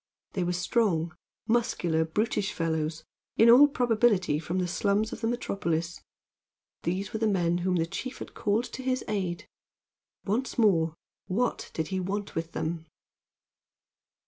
They were strong, muscular, brutish fellows, in all probability from the slums of the metropolis. These were the men whom the chief had called to his aid. Once more, what did he want with them?